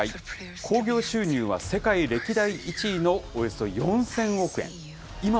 興行収入は、世界歴代１位のおよそ４０００億円。